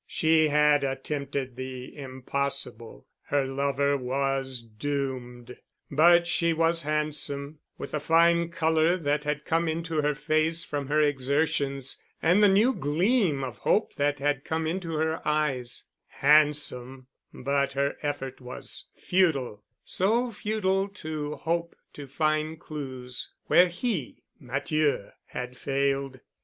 She had attempted the impossible. Her lover was doomed. But she was handsome—with the fine color that had come into her face from her exertions, and the new gleam of hope that had come into her eyes—handsome, but her effort was futile, so futile to hope to find clues where he, Matthieu, had failed.